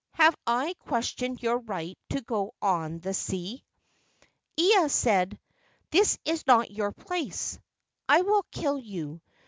Have I ques¬ tioned your right to go on the sea?" Ea said: "This is not your place. I will kill you.